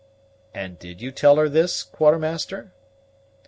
"And did you tell her this, Quartermaster?"